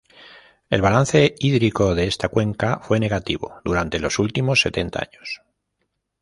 El balance hídrico de esta cuenca fue negativo durante los últimos setenta años.